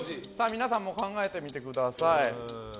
皆さんも考えてみてください。